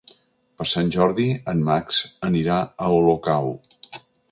Per Sant Jordi en Max anirà a Olocau.